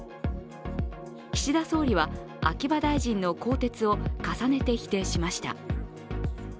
岸田総理は秋葉大臣の更迭を重ねて否定しました。